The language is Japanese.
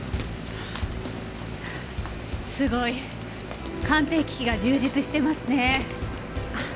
すごい！鑑定機器が充実してますね。